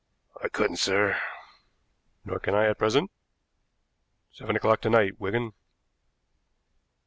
"I couldn't, sir." "Nor can I at present. Seven o'clock to night, Wigan."